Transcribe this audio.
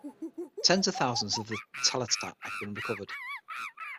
Tens of thousands of the talatat have been recovered.